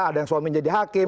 ada yang suami jadi hakim